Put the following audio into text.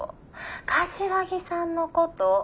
柏木さんのこと。